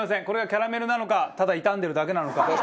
これがキャラメルなのかただ傷んでるだけなのか。